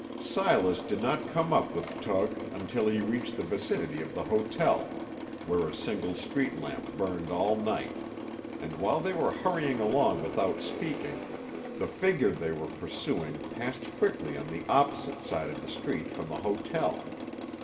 Silas did not come up with Tug until he reached the vicinity of the hotel, where a single street lamp burned all night, and while they were hurrying along without speaking, the figure they were pursuing passed quickly on the opposite side of the street from the hotel.